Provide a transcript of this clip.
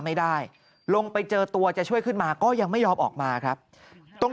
ไม่ได้ลงไปเจอตัวจะช่วยขึ้นมาก็ยังไม่ยอมออกมาครับตรง